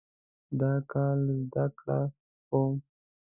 دا کال زده کړه کوم